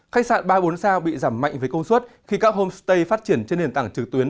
khách sạn ba bốn sao bị giảm mạnh với công suất khi các homestay phát triển trên nền tảng trực tuyến